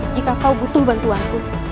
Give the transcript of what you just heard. jika kau butuh bantuanku